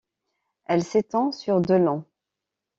Elle s'étend sur de long.